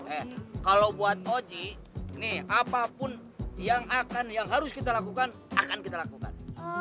eh kalau buat oji nih apapun yang akan yang harus kita lakukan akan kita lakukan